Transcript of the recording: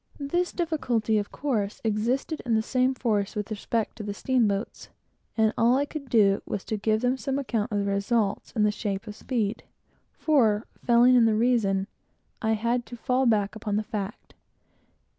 This difficulty, of course, existed in the same force with the steamboats and all I could do was to give them some account of the results, in the shape of speed; for, failing in the reason, I had to fall back upon the fact.